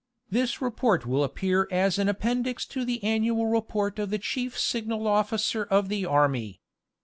This report will appear as an appendix to the annual report of the Chief Signal Officer of the army.